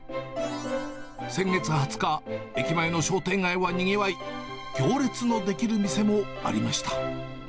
先月２０日、駅前の商店街はにぎわい、行列の出来る店もありました。